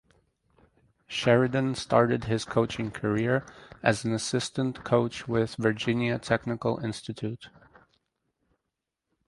Sheridan started his coaching career as an assistant coach with Virginia Technical Institute.